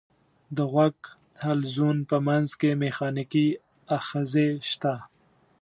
د غوږ حلزون په منځ کې مېخانیکي آخذې شته.